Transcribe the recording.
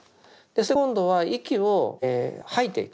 そして今度は息を吐いていく。